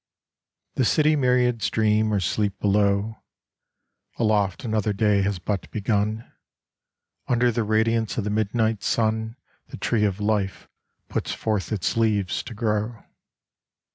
The city myriads dream or sleep below ; Aloft another day has but begun : Under the radiance of the Midnight Sun The Tree of Life puts forth its leaves to grow.